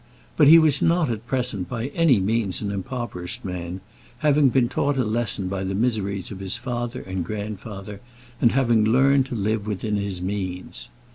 But he was not at present by any means an impoverished man, having been taught a lesson by the miseries of his father and grandfather, and having learned to live within his means.